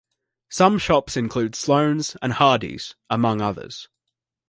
Some shops include Sloan's and Hardees, among others.